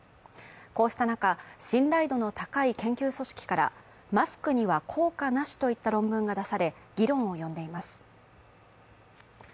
こうした中、信頼度の高い研究組織からマスクには効果なしといった論文が出され、議論を呼んでいます。